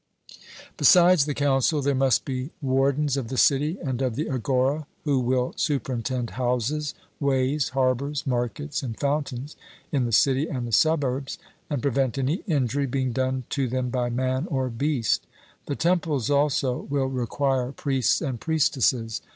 Besides the council, there must be wardens of the city and of the agora, who will superintend houses, ways, harbours, markets, and fountains, in the city and the suburbs, and prevent any injury being done to them by man or beast. The temples, also, will require priests and priestesses.